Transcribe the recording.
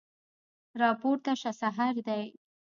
راپورته شه سحر دی